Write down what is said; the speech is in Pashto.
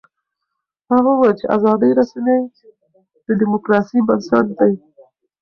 هغه وویل چې ازادې رسنۍ د ډیموکراسۍ بنسټ دی.